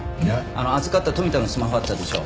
あの預かった富田のスマホあったでしょ。